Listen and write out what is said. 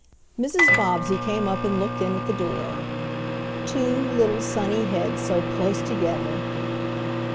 Mrs. Bobbsey came up and looked in at the door. Two little sunny heads so close together!